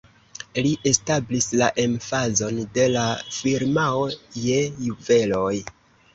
Li establis la emfazon de la firmao je juveloj.